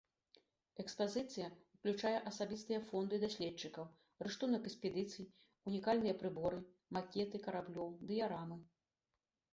Экспазіцыя ўключае асабістыя фонды даследчыкаў, рыштунак экспедыцый, унікальныя прыборы, макеты караблёў, дыярамы.